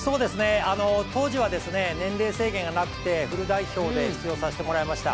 当時は、年齢制限がなくてフル代表で出場させてもらいました。